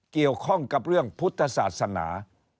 เกี่ยวข้องกับเรื่องพุทธศาสนา